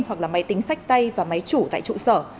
hoặc là máy tính sách tay và máy chủ tại trụ sở